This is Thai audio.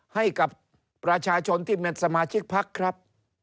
ให้กับประชาชนที่เป็นสมาชิกพักครับ